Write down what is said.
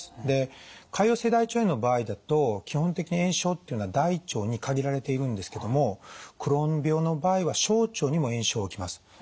で潰瘍性大腸炎の場合だと基本的に炎症っていうのは大腸に限られているんですけどもクローン病の場合は小腸にも炎症が起きます。